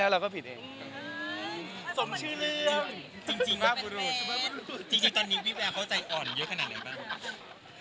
จริงตอนนี้พี่แวร์เขาใจอ่อนเยอะขนาดไหน